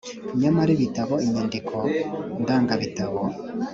Nyamara ibitabo inyandiko ndangabitabo